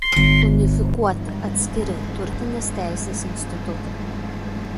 Unifikuoti atskiri turtinės teisės institutai.